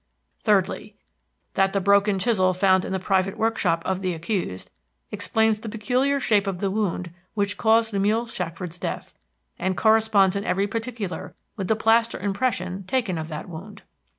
"Thirdly. That the broken chisel found in the private workshop of the accused explains the peculiar shape of the wound which caused Lemuel Shackford's death, and corresponds in every particular with the plaster impression taken of that wound.